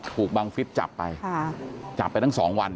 ถูกบังฟิศจับไปจับไปทั้ง๒วัน